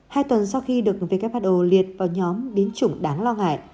hai tuần sau khi được who liệt vào nhóm biến chủng đáng lo ngại